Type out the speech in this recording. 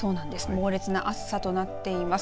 猛烈な暑さとなっています。